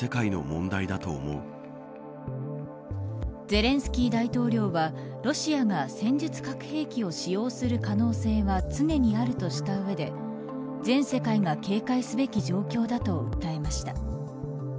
ゼレンスキー大統領はロシアが戦術核兵器を使用する可能性は常にあるとした上で全世界が警戒すべき状況だと訴えました。